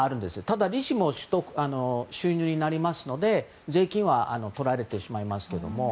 ただ利子も収入になるので税金は取られてしまいますけども。